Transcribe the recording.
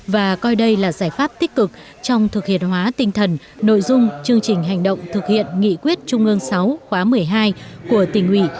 và coi đây là giải pháp tích cực trong thực hiện hóa tinh thần nội dung chương trình hành động thực hiện nghị quyết trung ương sáu khóa một mươi hai của tỉnh ủy